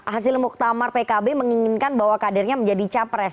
hasil muktamar pkb menginginkan bahwa kadernya menjadi capres